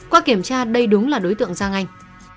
qua kiểm tra đây đúng là đối tượng giang anh